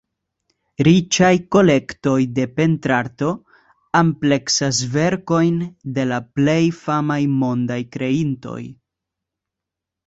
Riĉaj kolektoj de pentrarto ampleksas verkojn de la plej famaj mondaj kreintoj.